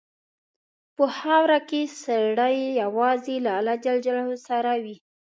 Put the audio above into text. په خاوره کې سړی یوازې له الله سره وي.